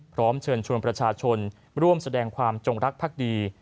พร้อมเชิญชวนประชาชนร่วมแสดงความจงรักภักดี